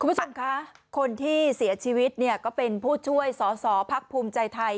คุณผู้ชมคะคนที่เสียชีวิตเนี่ยก็เป็นผู้ช่วยสอสอพักภูมิใจไทย